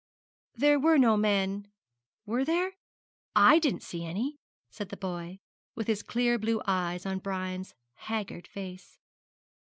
There were no men, were there? I didn't see any,' said the boy, with his clear blue eyes on Brian's haggard face.